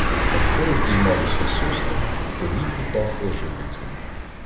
Навколо здіймалися сосни, а в повітрі пахло живицею.